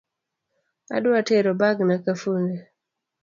Adwa tero bagna kafundi